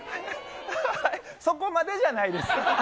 そこまでじゃないです。